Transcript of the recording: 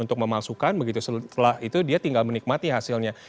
untuk memasukkan begitu setelah itu dia tinggal menikmati hasilnya